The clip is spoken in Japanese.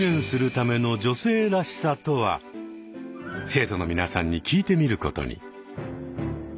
生徒の皆さんに聞いてみることに。